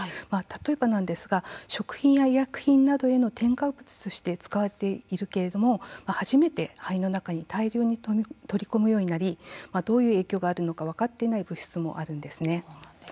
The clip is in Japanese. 例えばなんですが食品や医薬品などへの添加物として使われているけれど初めて肺の中に大量に取り込むようになりどういう影響があるのか分かっていない物質もあるんです。